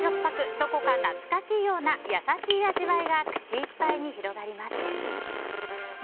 どこか懐かしいような優しい味わいが口いっぱいに広がります。